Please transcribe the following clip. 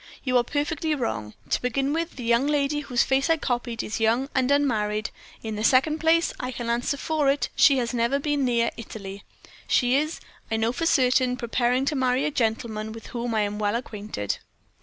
You are perfectly wrong. To begin with, the young lady whose face I copied is young and unmarried; in the second place, I can answer for it, she has never been near Italy. She is, I know for certain, preparing to marry a gentleman with whom I am well acquainted.'